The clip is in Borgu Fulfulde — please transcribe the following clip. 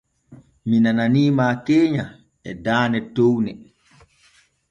Mi nananiima keenya e daane towne.